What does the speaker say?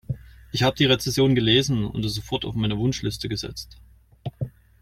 Ich hab die Rezension gelesen und es sofort auf meine Wunschliste gesetzt.